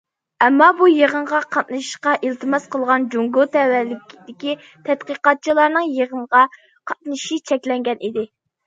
ئەمما بۇ يىغىنغا قاتنىشىشقا ئىلتىماس قىلغان جۇڭگو تەۋەلىكىدىكى تەتقىقاتچىلارنىڭ يىغىنغا قاتنىشىشى چەكلەنگەن ئىكەن.